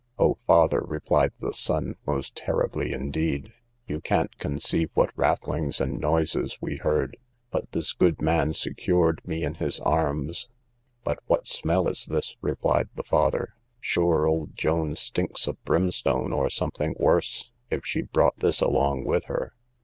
O father, replied the son, most terribly indeed. You can't conceive what rattlings and noises we heard; but this good man secured me in his arms. But what smell is this? replied the father; sure old Joan stinks of brimstone, or something worse, if she brought this along with her.